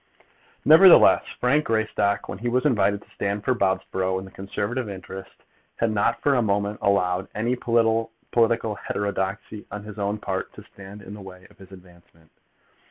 Nevertheless Frank Greystock, when he was invited to stand for Bobsborough in the Conservative interest, had not for a moment allowed any political heterodoxy on his own part to stand in the way of his advancement.